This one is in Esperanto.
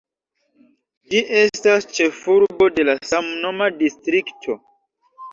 Ĝi estas ĉefurbo de la samnoma distrikto.